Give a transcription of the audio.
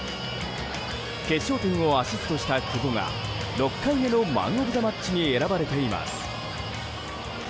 決勝点をアシストした久保が６回目のマン・オブ・ザ・マッチに選ばれています。